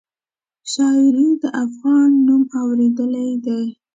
شاعري د افغان نوم اورېدلی دی.